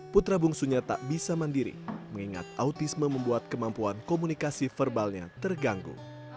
putra bungsunya tak bisa mandiri mengingat autisme membuat kemampuan komunikasi verbalnya terganggu